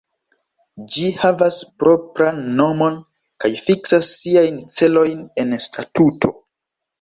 Ĝi havas propran nomon kaj fiksas siajn celojn en statuto.